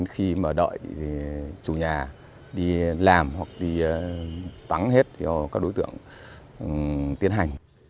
khi đợi chủ nhà đi làm hoặc tắng hết các đối tượng tiến hành